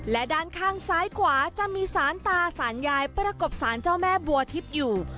และด้านข้างซ้ายขวาจะมีสารตาสารยายประกบสารเจ้าแม่บัวทิพย์อยู่